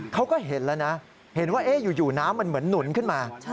เขาก็เห็นแล้วนะเห็นว่าอยู่น้ำมันเหมือนหนุนขึ้นมา